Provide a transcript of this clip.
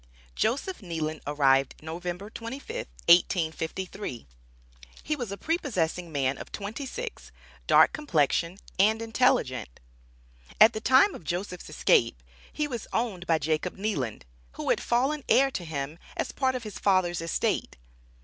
Joseph Kneeland arrived November 25, 1853. He was a prepossessing man of twenty six, dark complexion, and intelligent. At the time of Joseph's escape, he was owned by Jacob Kneeland, who had fallen heir to him as a part of his father's estate.